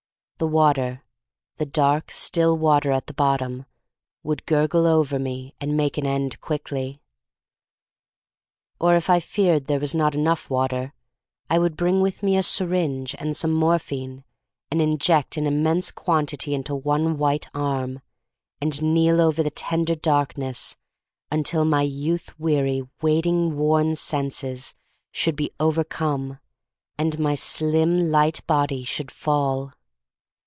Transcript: The water — the dark still water 'at the bottom — would gurgle over me and make an end quickly. Or if I feared THE STORY OF MARY MAC LANE I3I there was not enough water, I would bring with me a syringe and some mor phine and inject an immense quantity into one white arm, and kneel over the tender darkness until my youth weary, waiting worn senses should be over come, and my slim, light body should fall.